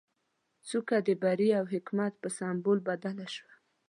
څوکه د بري او حکمت په سمبول بدله شوه.